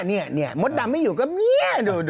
เนี่ยมดดำไม่อยู่ก็เนี่ยดู